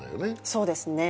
そうですね